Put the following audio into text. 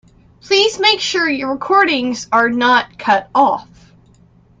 Please make sure your recordings are not cut off.